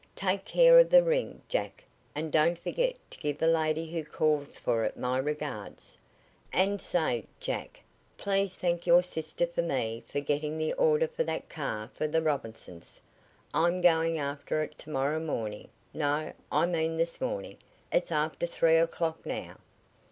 Take care of the ring, Jack, and don't forget to give the lady who calls for it my regards. And say, Jack, please thank your sister for me for getting the order for that car for the Robinsons. I'm going after it to morrow morning no, I mean this morning. It's after three o'clock now."